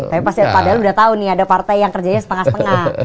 tapi padahal udah tahu nih ada partai yang kerjanya setengah setengah